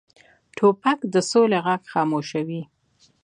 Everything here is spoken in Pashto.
توپک د سولې غږ خاموشوي.